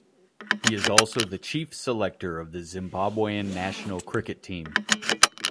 He is also the chief selector of the Zimbabwean national cricket team.